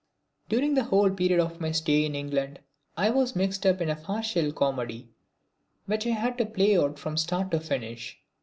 During the whole period of my stay in England I was mixed up in a farcical comedy which I had to play out from start to finish.